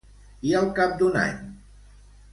I al cap d'un any?